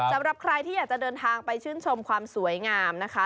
สำหรับใครที่อยากจะเดินทางไปชื่นชมความสวยงามนะคะ